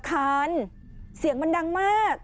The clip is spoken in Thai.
สุดยอดดีแล้วล่ะ